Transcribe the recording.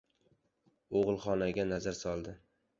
Og‘ilxonaga nazar soldi.